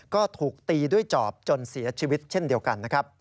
ก็ถูกตีด้วยจอบจนเสียชีวิตเช่นเดียวกันนะครับ